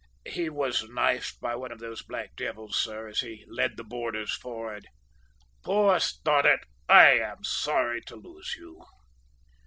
"He was knifed by one of those black devils, sir, as he led the boarders forrad!" "Poor Stoddart! I am sorry to lose you!